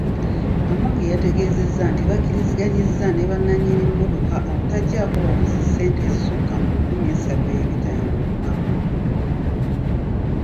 Amongi yategezezza nti bakkiriziganyizza ne bannanyini mmotoka obutajjako bavuzi ssente ezisukka mu nkumi esatu ebitaano olunaku.